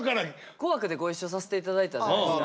「紅白」でご一緒させて頂いたじゃないですか。